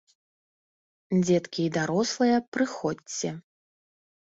Дзеткі і дарослыя, прыходзьце!